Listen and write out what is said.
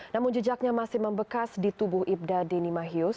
namun jejaknya masih membekas di tubuh ibda deni mahius